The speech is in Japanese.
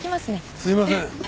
すいません。